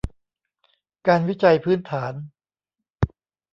การวิจัยพื้นฐาน